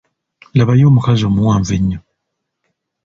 Labayo omukazi omuwanvu ennyo.